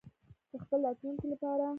د خپل راتلونکي لپاره.